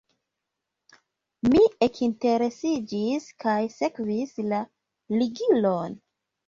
Mi ekinteresiĝis kaj sekvis la ligilon.